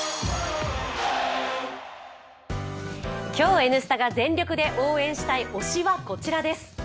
今日、「Ｎスタ」が全力で応援したい推しはこちらです。